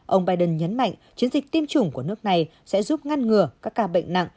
ông biden nhấn mạnh chiến dịch tiêm chủng của nước này sẽ giúp ngăn ngừa các ca bệnh nặng